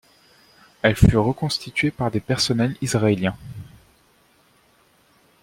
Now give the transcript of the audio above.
Elle fut reconstituée par des personnels israéliens.